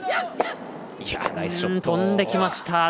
飛んできました。